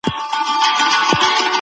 زموږ کلتور د پښتو له لارې ژوندی دی.